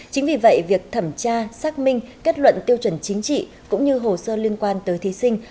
chính vì vậy việc thẩm tra xác minh kết luận tiêu chuẩn chính trị cũng như hồ sơ liên quan tới thí sinh